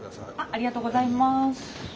ありがとうございます。